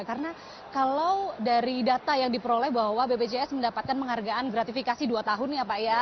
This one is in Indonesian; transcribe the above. karena kalau dari data yang diperoleh bahwa bpjs mendapatkan penghargaan gratifikasi dua tahun ya pak ya